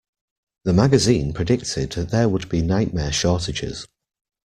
The magazine predicted that there would be nightmare shortages.